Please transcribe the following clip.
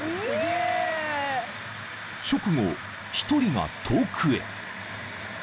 ［直後１人が遠くへ］